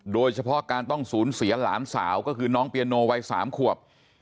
โดยเฉพาะการต้องสูญเสียหลานสาวก็คือน้องเปียโนวัย๓ขวบ